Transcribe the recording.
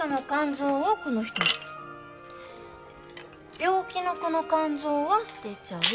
病気のこの肝臓は捨てちゃう。